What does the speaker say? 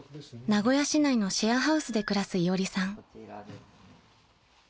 ［名古屋市内のシェアハウスで暮らすいおりさん］